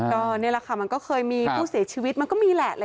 ก็นี่แหละค่ะมันก็เคยมีผู้เสียชีวิตมันก็มีแหละ